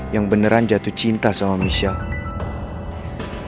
yang beneran jatuh cinta sama michelle